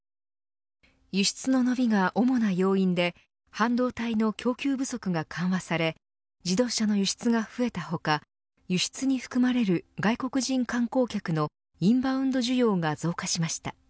輸出の伸びが主な要因で半導体の供給不足が緩和され自動車の輸出が増えた他輸出に含まれる外国人観光客のインバウンド需要が増加しました。